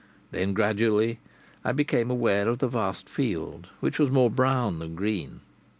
Then gradually I became aware of the vast field, which was more brown than green.